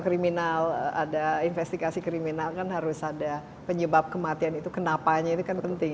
kriminal ada investigasi kriminal kan harus ada penyebab kematian itu kenapanya itu kan penting